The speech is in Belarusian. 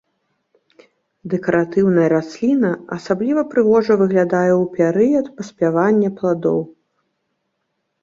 Дэкаратыўная расліна, асабліва прыгожа выглядае ў перыяд паспявання пладоў.